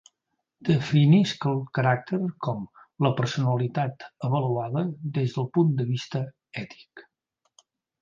Definisc el caràcter com «la personalitat avaluada des del punt de vista ètic».